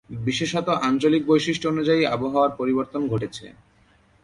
বিশেষত, আঞ্চলিক বৈশিষ্ট্য অনুযায়ী আবহাওয়ার পরিবর্তন ঘটেছে।